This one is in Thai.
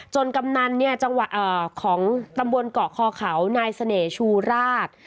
กำนันของตำบลเกาะคอเขานายเสน่ห์ชูราช